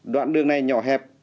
đoạn đường này nhỏ hẹp